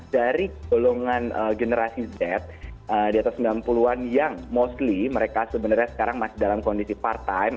dari golongan generasi z di atas sembilan puluh an yang mostly mereka sebenarnya sekarang masih dalam kondisi part time